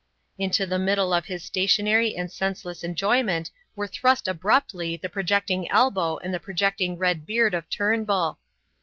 Into the middle of his stationary and senseless enjoyment were thrust abruptly the projecting elbow and the projecting red beard of Turnbull.